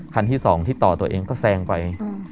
คันที่๒ที่ต่อตัวเองก็แซงไป